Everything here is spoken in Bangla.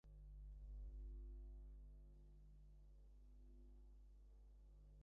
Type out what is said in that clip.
লাবণ্যর মুখ বুকের উপর একবার চেপে ধরে ফেরবার পথে খুব ধীরে ধীরে চলল।